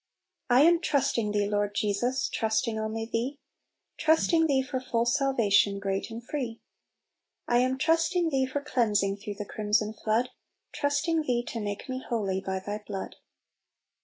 "I am trusting Thee, Lord Jesus, Trusting only Thee; Trusting Thee for full salvation, Great and free. ,<« I am trusting Thee for cleansing Through the crimson flood; Trusting Thee to make me holy By Thy blood."